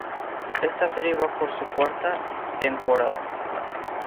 La serie va por su cuarta temporada.